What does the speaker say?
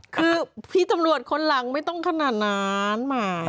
คือพี่ตำรวจคนหลังไม่ต้องขนาดนั้นหมาย